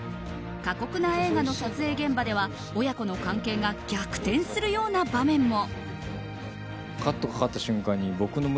過酷な映画の撮影現場では親子の関係が逆転するような場面も。